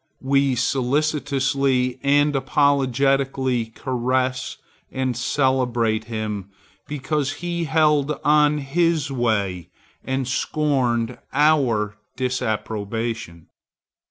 We solicitously and apologetically caress and celebrate him because he held on his way and scorned our disapprobation.